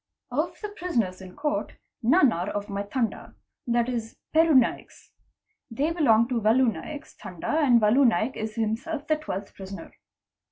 Of the prisoners in court, none are of my Tanda, that is Peru Naik's. They belong to Valu Naik's Tanda and Valu Naik is himself the 12th prisoner.